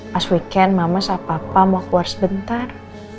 pas weekend mama sama papa mau keluar sebentar